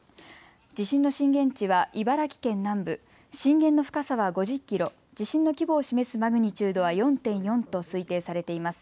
地震の震源地は茨城県南部、震源の深さは５０キロ、地震の規模を示すマグニチュードは４．４と推定されています。